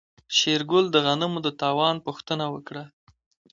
شېرګل د غنمو د تاوان پوښتنه وکړه.